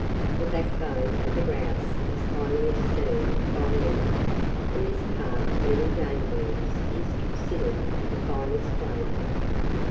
The backbone of the grouse is highly esteemed by many, and this part of many game birds is considered the finest flavoured.